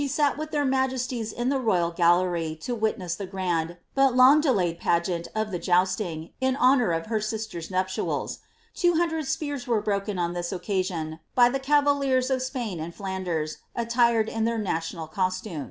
sat with their majesties in the royal gallery to witness the grand, Imi long delayed pageant of the jousting, in honour of her sister's nuptiaki Two hundred spears were broken on this occasion, by the cavaliers of Spain and Flanders, attired in their national costume.'